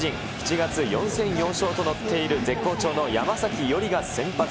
７月４戦４勝と乗っている絶好調の山崎伊織が先発。